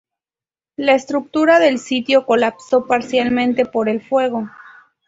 La estructura del sitio colapsó parcialmente por el fuego.